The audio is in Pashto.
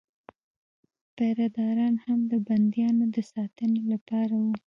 پیره داران هم د بندیانو د ساتنې لپاره وو.